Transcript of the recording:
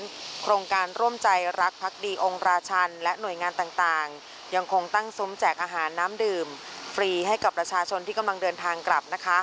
โครงการร่วมใจรักพักดีองค์ราชันและหน่วยงานต่างยังคงตั้งซุ้มแจกอาหารน้ำดื่มฟรีให้กับประชาชนที่กำลังเดินทางกลับนะคะ